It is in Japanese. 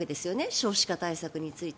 少子化対策について。